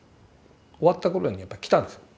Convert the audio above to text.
終わった頃にやっぱ来たんですよ。